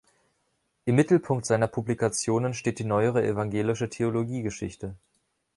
Im Mittelpunkt seiner Publikationen steht die neuere evangelische Theologiegeschichte.